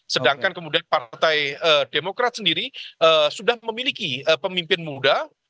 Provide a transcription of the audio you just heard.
sedangkan kemudian partai demokrat sendiri sudah memiliki pemimpin muda